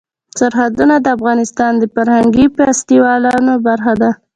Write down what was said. سرحدونه د افغانستان د فرهنګي فستیوالونو برخه ده.